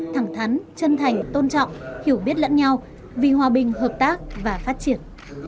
thẳng thắn chân thành tôn trọng hiểu biết lẫn nhau vì hòa bình hợp tác và phát triển